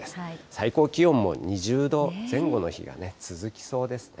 最高気温も２０度前後の日がね、続きそうですね。